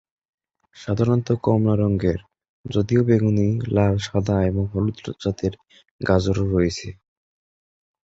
সাধারণত কমলা রঙের, যদিও বেগুনি, লাল, সাদা এবং হলুদ জাতের গাজর রয়েছে।